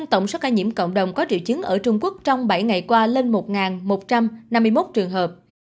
tổng số ca nhiễm cộng đồng có triệu chứng ở trung quốc trong bảy ngày qua lên một một trăm năm mươi một trường hợp